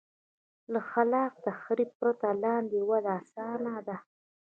له خلاق تخریب پرته لاندې وده اسانه ده.